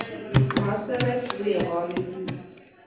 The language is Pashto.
ماسره دوې غواوې دي